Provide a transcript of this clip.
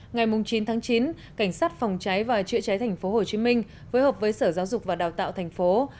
ngày chín chín cảnh sát phòng cháy và chữa cháy tp hcm với hợp với sở giáo dục và đào tạo tp hcm